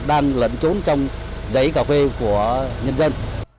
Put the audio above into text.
đang lẫn trốn trong giấy cà phê của nhân dân